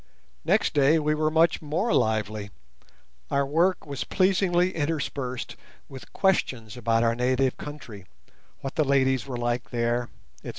Next day we were much more lively, our work was pleasingly interspersed with questions about our native country, what the ladies were like there, etc.